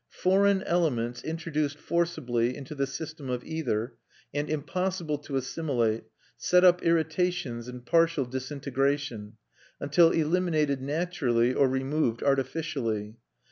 Foreign elements introduced forcibly into the system of either, and impossible to assimilate, set up irritations and partial disintegration, until eliminated naturally or removed artificially.